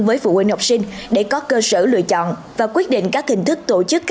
với phụ huynh học sinh để có cơ sở lựa chọn và quyết định các hình thức tổ chức